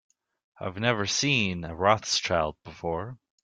I have never seen a Rothschild before.